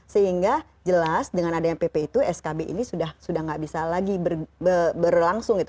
sehingga jelas dengan adanya pp itu skb ini sudah tidak bisa lagi berlangsung gitu